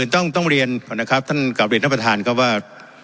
ต้องเรียนก่อนนะครับกราบยินทั้งประธานก็ว่า